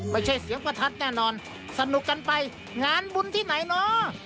ไม่ใช่เสียงประทัดแน่นอนสนุกกันไปงานบุญที่ไหนเนาะ